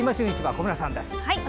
小村さんです。